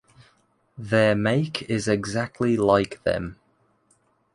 Their make is exactly like them.